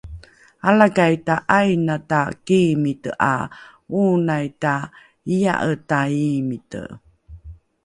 Alakai ta 'ainata kiimite 'a oonai ta iya'e ta iimite